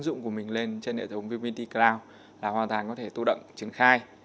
hệ thống của mình lên trên hệ thống vnpt cloud là hoàn toàn có thể tu đậm triển khai